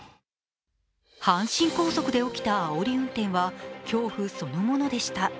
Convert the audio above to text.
阪神高速で起きたあおり運転は恐怖そのものでした。